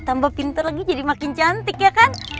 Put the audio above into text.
tambah pinter lagi jadi makin cantik ya kan